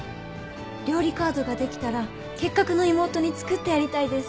料理カードができたら結核の妹に作ってやりたいです。